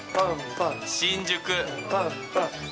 新宿。